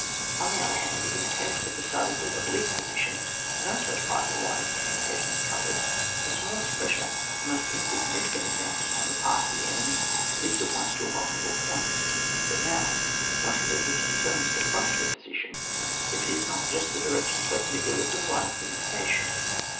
On the other hand, in the case of a decidedly oblique position, no such part of the line of communication is covered ; the smallest pressure, the most insigni ficant attempt on the part of the enemy, leads at once to a vulnerable point. But now, what is it which determines the front of a position, if it is not just the direction perpendicular to the line of communication